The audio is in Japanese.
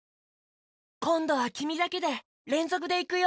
こんどはきみだけでれんぞくでいくよ！